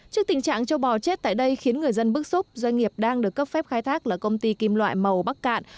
trước tình trạng châu bò chết tại đây khiến người dân bức xúc doanh nghiệp đang được cấp phép khai thác là công ty kim loại màu bắc cạn